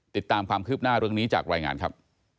ติดตามความคืบหน้าเรื่องนี้จากรายงานครับ